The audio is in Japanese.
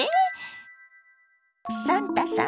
サンタさん